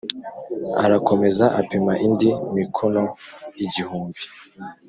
Arakomeza apima indi mikono igihumbi